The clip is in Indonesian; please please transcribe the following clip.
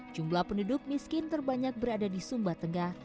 jumlah penduduk miskin terbanyak berada di sumba tengah